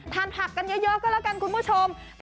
ผักกันเยอะก็แล้วกันคุณผู้ชม